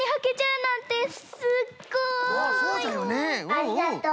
ありがとう！